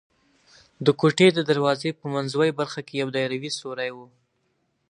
د کوټې د دروازې په منځوۍ برخه کې یو دایروي سوری و.